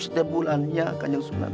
setiap bulannya kan yusunan